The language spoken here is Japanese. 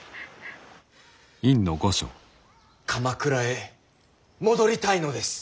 鎌倉へ戻りたいのです。